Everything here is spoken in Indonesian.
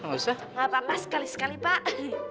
gak apa apa sekali sekali pak